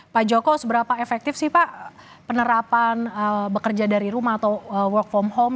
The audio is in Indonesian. pak joko seberapa efektif sih pak penerapan bekerja dari rumah atau work from home